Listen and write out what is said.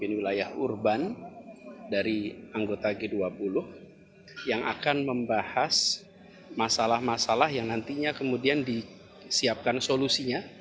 di wilayah urban dari anggota g dua puluh yang akan membahas masalah masalah yang nantinya kemudian disiapkan solusinya